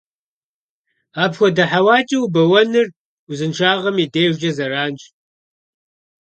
Апхуэдэ хьэуакӀэ убэуэныр узыншагъэм и дежкӀэ зэранщ.